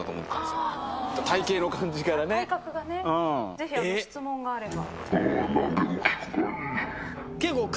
ぜひ質問があれば。